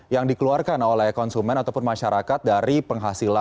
yang dikeluarkan oleh konsumen ataupun masyarakat dari penghasilan